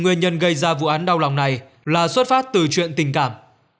nguyên nhân gây ra vụ án đau lòng này là xuất phát từ chuyện tình cảm